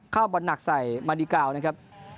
เข้าบอลหนักใส่มาดีกาวนะครับ